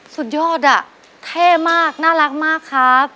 สุดยอดอ่ะเท่มากน่ารักมากครับ